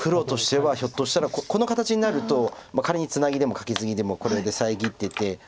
ひょっとしたらこの形になると仮にツナギでもカケツギでもこれで遮ってて。